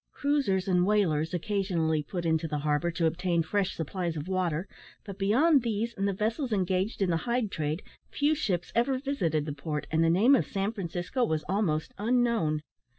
Cruisers and whalers occasionally put into the harbour to obtain fresh supplies of water, but beyond these and the vessels engaged in the hide trade few ships ever visited the port, and the name of San Francisco was almost unknown.